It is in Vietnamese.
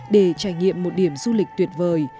để trải nghiệm một điểm du lịch tuyệt vời